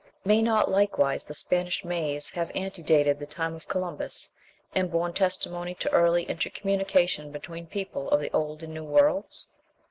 May not likewise the Spanish maiz have antedated the time of Columbus, and borne testimony to early intercommunication between the people of the Old and New Worlds?